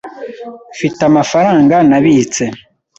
Mfite amafaranga nabitse.